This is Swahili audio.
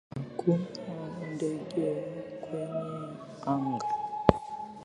Hakuna ndege kwenye anga.